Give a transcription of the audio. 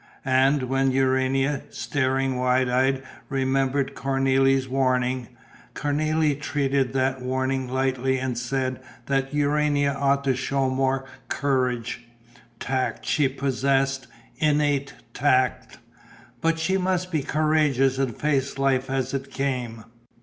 And, when Urania, staring wide eyed, remembered Cornélie's warning, Cornélie treated that warning lightly and said that Urania ought to show more courage. Tact, she possessed, innate tact. But she must be courageous and face life as it came....